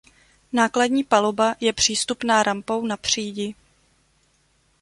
Nákladní paluba je přístupná rampou na přídi.